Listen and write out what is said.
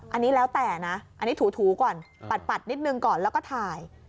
อันนี้แล้วแต่ถูก่อนปัดนิดหนึ่งก่อนแล้วก็ถ่าย